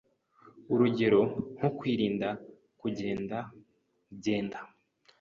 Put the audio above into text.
Urugero nko kwirinda kugendagenda